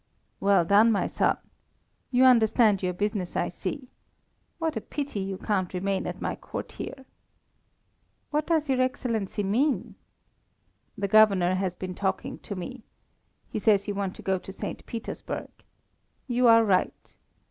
"Well done, my son. You understand your business, I see. What a pity you can't remain at my court here." "What does your Excellency mean?" "The Governor has been talking to me. He says you want to go to St. Petersburg. You are right.